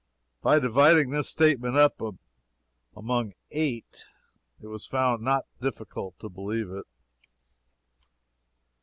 By dividing this statement up among eight, it was found not difficult to believe it.